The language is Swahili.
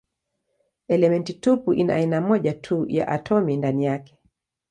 Elementi tupu ina aina moja tu ya atomi ndani yake.